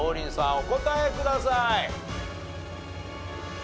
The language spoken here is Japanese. お答えください。